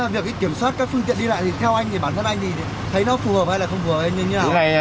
việc kiểm soát các phương tiện đi lại thì theo anh thì bản thân anh thì thấy nó phù hợp hay là không phù hợp hay như thế nào